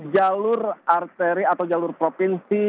jalur arteri atau jalur provinsi